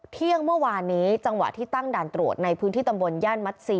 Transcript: เที่ยงเมื่อวานนี้จังหวะที่ตั้งด่านตรวจในพื้นที่ตำบลย่านมัดซี